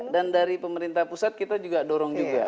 dan dari pemerintah pusat kita juga dorong juga